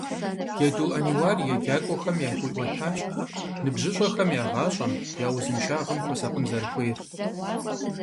Джэду Ӏэниуар еджакӏуэхэм яхуиӀуэтащ ныбжьыщӀэхэм я гъащӀэм, я узыншагъэм хуэсакъын зэрыхуейр.